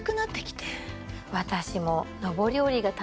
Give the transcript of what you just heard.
私も。